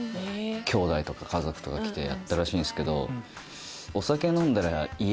きょうだいとか家族とか来てやったらしいんすけど。